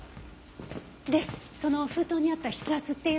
でその封筒にあった筆圧っていうのは？